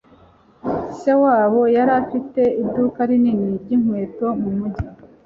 Se wabo yari afite iduka rinini ryinkweto mumujyi.